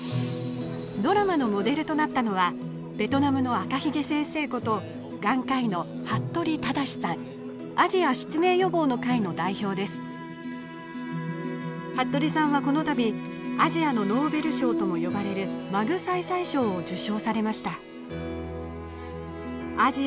ドラマのモデルとなったのはベトナムの赤ひげ先生こと眼科医の服部さんはこの度アジアのノーベル賞とも呼ばれるマグサイサイ賞を受賞されました。